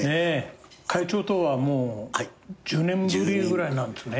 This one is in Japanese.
会長とはもう１０年ぶりぐらいなんですね。